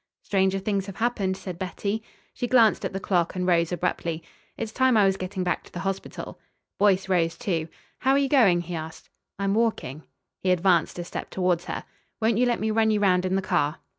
"Stranger things have happened," said Betty. She glanced at the clock and rose abruptly. "It's time I was getting back to the hospital." Boyce rose too. "How are you going?" he asked. "I'm walking." He advanced a step towards her. "Won't you let me run you round in the car?"